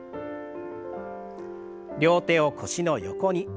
両手を腰の横に。